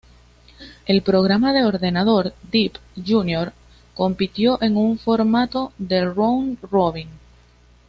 El programa de ordenador Deep Junior compitió en un formato de round robin.